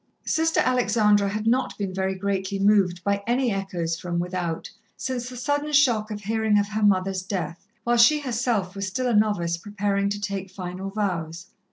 Sister Alexandra had not been very greatly moved by any echoes from without, since the sudden shock of hearing of her mother's death, while she herself was still a novice preparing to take final vows.